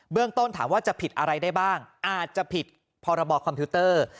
ต้นถามว่าจะผิดอะไรได้บ้างอาจจะผิดพรบคอมพิวเตอร์